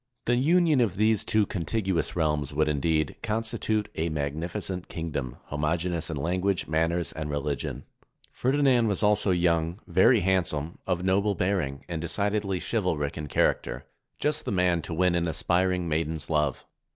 The union of these two contiguous realms would, indeed, constitute a magnificent king dom, homogeneous in language, manners, and religion. Ferdinand was also young, very handsome, of noble 453 SPAIN bearing, and decidedly chivalric in character — just the man to win an aspiring maiden's love.